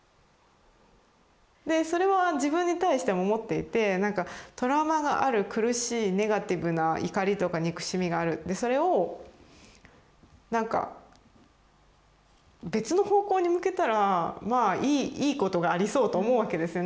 それは自分に対しても思っていてトラウマがある苦しいネガティブな怒りとか憎しみがあるそれをなんか別の方向に向けたらまあいいことがありそうと思うわけですよね。